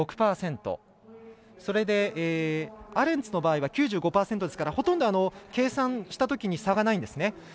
それで、アレンツの場合は９５％ですからほとんど、計算したときに差がないんですね。